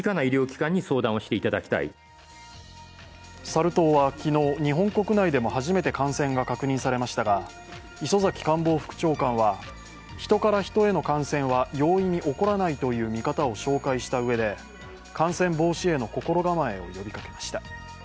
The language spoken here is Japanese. サル痘は昨日日本国内でも初めて感染が確認されましたが磯崎官房副長官は、ヒトからヒトへの感染は容易に起こらないという見方を紹介した上で、感染防止への心構えを呼びかけました。